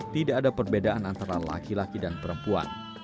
tidak ada perbedaan antara laki laki dan perempuan